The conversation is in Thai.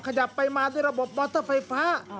ขยับไปมาด้วยระบบมอเตอร์ไฟฟ้า